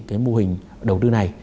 cái mô hình đầu tư này